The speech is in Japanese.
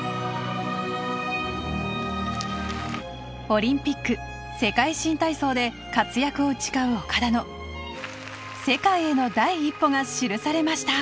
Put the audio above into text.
オリンピック世界新体操で活躍を誓う岡田の世界への第一歩が記されました。